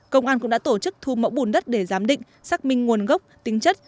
công an cũng đã tổ chức thu mẫu bùn đất để giám định xác minh nguồn gốc tính chất